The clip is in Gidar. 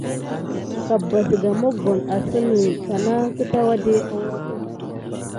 Gabba sikà mokoni asane wuke horike amà a nat aɗakiga.